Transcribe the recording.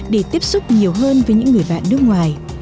để tiếp xúc nhiều hơn với những người bạn nước ngoài